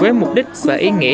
quế mục đích và ý nghĩa